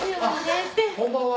こんばんは。